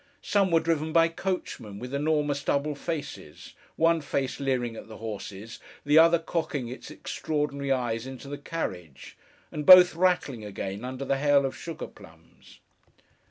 Some were driven by coachmen with enormous double faces: one face leering at the horses: the other cocking its extraordinary eyes into the carriage: and both rattling again, under the hail of sugar plums.